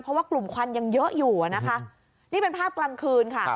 เพราะว่ากลุ่มควันยังเยอะอยู่อะนะคะนี่เป็นภาพกลางคืนค่ะ